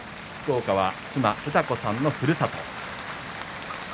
福岡は妻、詩子さんのふるさと。